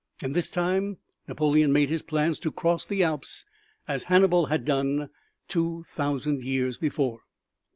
And this time Napoleon made his plans to cross the Alps as Hannibal had done two thousand years before.